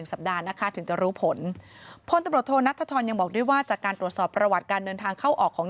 ๑สัปดาห์นะคะถึงก็รู้ผลพังผลทดสอบจากผมนะเทฐรออย่างบอกด้วยว่าจากการตรวจสอบประวัติการเงินทางเข้าออกของ